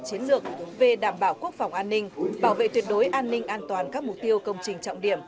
chiến lược về đảm bảo quốc phòng an ninh bảo vệ tuyệt đối an ninh an toàn các mục tiêu công trình trọng điểm